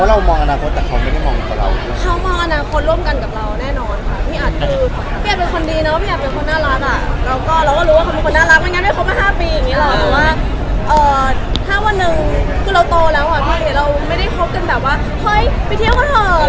ว่าถ้าวันนึงคือเราโตแล้วคือเราไม่ได้ครบกันแบบว่าเฮ้ยไปเที่ยวก็เถอะ